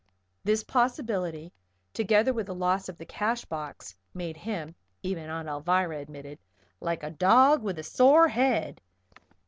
This possibility, together with the loss of the cash box, made him even Aunt Alvirah admitted "like a dog with a sore head."